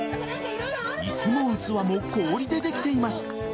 椅子も器も氷でできています。